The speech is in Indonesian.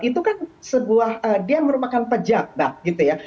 itu kan sebuah dia merupakan pejabat gitu ya